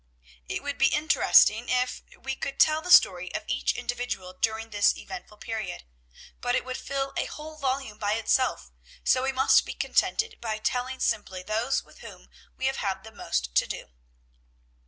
It would be interesting if we could tell the story of each individual during this eventful period, but it would fill a whole volume by itself, so we must be contented by telling simply of those with whom we have had the most to do.